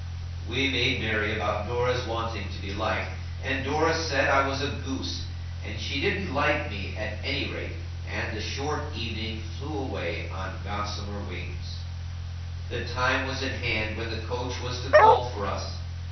We made merry about Dora's wanting to be liked, and Dora said I was a goose, and she didn't like me at any rate, and the short evening flew away on gossamer wings. The time was at hand when the coach was to call for us.